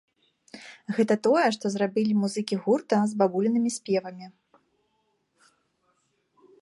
Гэта тое, што зрабілі музыкі гурта з бабулінымі спевамі.